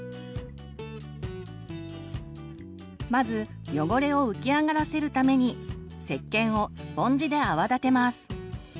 まず汚れを浮き上がらせるためにせっけんをスポンジで泡立てます。